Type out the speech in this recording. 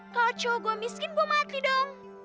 kalau cowok gue miskin gue mati dong